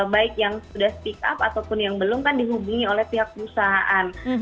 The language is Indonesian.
baik yang sudah speak up ataupun yang belum kan dihubungi oleh pihak perusahaan